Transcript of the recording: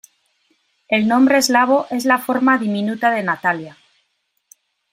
El nombre eslavo es la forma diminuta de Natalia.